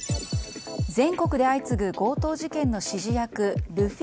全国で相次ぐ強盗事件の指示役ルフィ